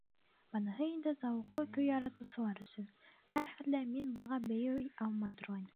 Быныһы инде зауыҡлы көй яратыусылар өсөн, һәр хәлдә мин быға бейей алмай торғайным.